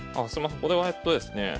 これはえっとですね